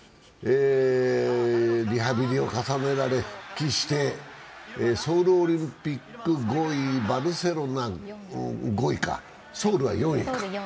リハビリを重ねられ復帰してソウルオリンピック５位、バルセロナ５位か、ソウルは４位か。